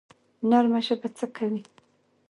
نرمه ژبه څه کوي؟